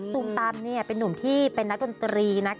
ตูมตามเป็นนุ่มช่วยดนตรี